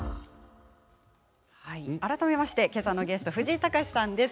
改めまして、けさのゲスト藤井隆さんです。